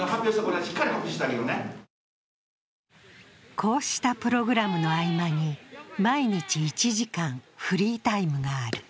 こうしたプログラムの合間に毎日１時間フリータイムがある。